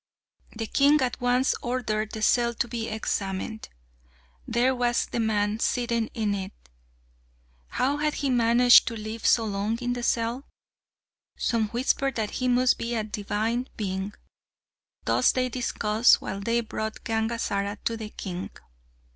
The king at once ordered the cell to be examined. There was the man sitting in it. How had he managed to live so long in the cell? Some whispered that he must be a divine being. Thus they discussed, while they brought Gangazara to the king.